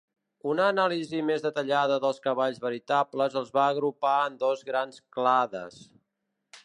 Una anàlisi més detallada dels cavalls veritables els va agrupar en dos grans clades.